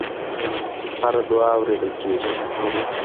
هره دعا اورېدل کېږي.